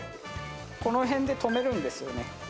この辺で止めるんですよね。